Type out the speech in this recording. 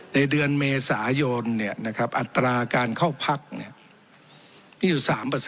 ในเดือนเมษายนอัตราการเข้าพักมีอยู่๓